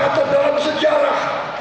akan tercatat dalam sejarah